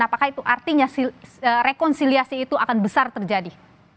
apakah itu artinya rekonsiliasi itu akan besar terjadi